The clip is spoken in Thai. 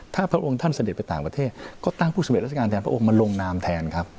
ถ้าพระองค์ท่านเสด็จไปต่างประเทศก็ตั้งผู้สำเร็จราชการแทนพระองค์มาลงนามแทนครับ